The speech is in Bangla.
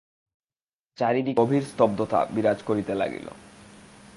চারি দিকে গভীর স্তব্ধতা বিরাজ করিতে লাগিল।